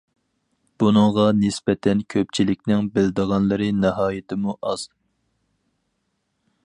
بۇنىڭغا نىسبەتەن كۆپچىلىكنىڭ بىلىدىغانلىرى ناھايىتىمۇ ئاز.